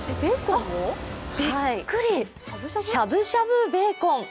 しゃぶしゃぶベーコン。